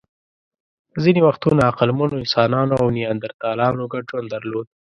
ځینې وختونه عقلمنو انسانانو او نیاندرتالانو ګډ ژوند درلود.